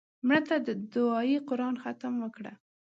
مړه ته د دعایي قرآن ختم وکړه